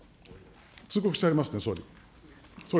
通告してありますね、総理。